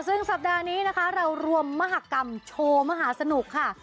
ซึ่งสัปดาห์นี้นะคะเรารวมมหากรรมโชว์มหาสนุกค่ะ